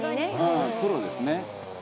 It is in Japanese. うん、プロですね。